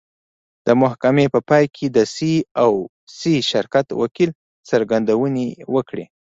د محکمې په پای کې د سي او سي شرکت وکیل څرګندونې وکړې.